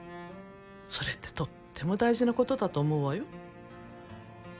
それってとっても大事なことだと思うわよ。